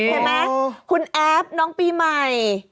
เห็นไหมคุณแอฟน้องปีใหม่